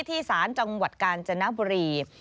ที่สารจังหวัดกาญจนบรี